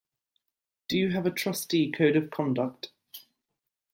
Do you have a trustee code of conduct?